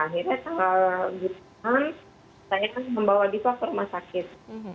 akhirnya tanggal lima belas saya membawa diva ke rumah sakit